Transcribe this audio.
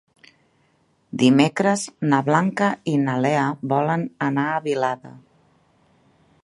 Dimecres na Blanca i na Lea volen anar a Vilada.